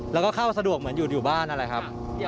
แล้วก็เข้าสะดวกเหมือนอยู่บ้านนั่นแหละครับ